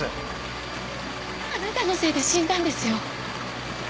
あなたのせいで死んだんですよ